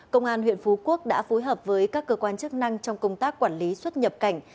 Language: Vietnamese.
công an huyện phú quốc đã phối hợp với các cơ quan chức năng trong công tác quản lý xuất nhập cảnh